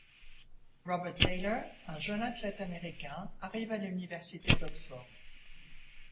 Robert Taylor, un jeune athlète américain, arrive à l'Université d'Oxford.